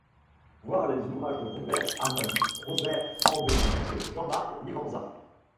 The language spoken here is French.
Voir les ouvrages de Robert Amadou, Robert Ambelain et Jean-Marc Vivenza.